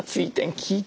聞いて。